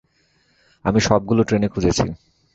আমি সবগুলো ট্রেনে খুঁজেছি।